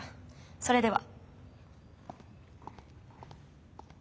それでは。